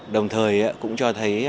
đồng thời cũng cho thấy